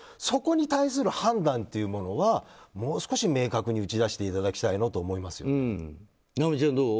そこに対する判断をもう少し明確に打ち出していただきたいなと思いますよね。